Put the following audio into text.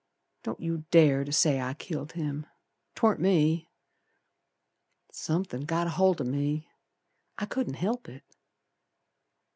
Don't you dare to say I killed him. 'Twarn't me! Somethin' got aholt o' me. I couldn't help it.